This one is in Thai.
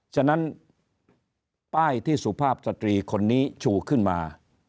ฉะนั้นป้ายที่สุภาพสตรีคนนี้ชูขึ้นมา